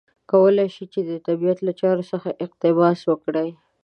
کولای شي چې د طبیعت له چارو څخه اقتباس وکړي.